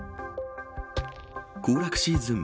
行楽シーズン